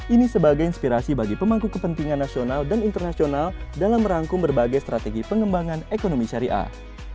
ini sebagai inspirasi bagi pemangku kepentingan nasional dan internasional dalam merangkum berbagai strategi pengembangan ekonomi syariah